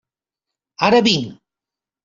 Ara vinc.